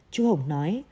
chú hồng nói